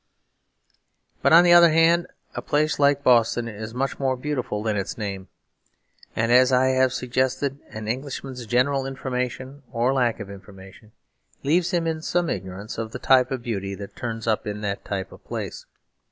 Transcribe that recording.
But on the other hand a place like Boston is much more beautiful than its name. And, as I have suggested, an Englishman's general information, or lack of information, leaves him in some ignorance of the type of beauty that turns up in that type of place.